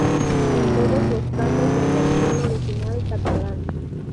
En todos los casos en versión original catalán.